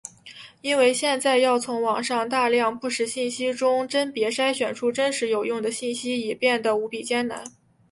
因为现在要从网上大量不实信息中甄别筛选出真实有用的信息已变的无比艰难。